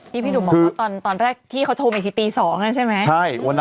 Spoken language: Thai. พี่หนุ่มบอกว่าตอนแรกที่เขาโทรมาอีกทีตี๒แล้วใช่ไหม